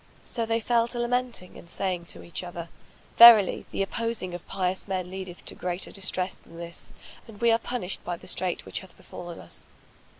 So they fell to lamenting and saying to each other, "Verily, the opposing of pious men leadeth to greater distress than this, and we are punished by the strait which hath befallen us."